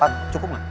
empat cukup gak